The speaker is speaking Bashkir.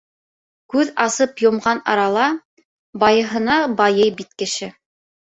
Күҙ асып йомған арала байыһа байый бит кеше!